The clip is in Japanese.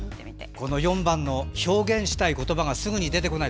４番の表現したい言葉がすぐに出てこない。